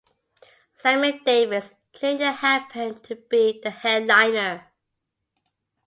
Sammy Davis, Junior happened to be the headliner.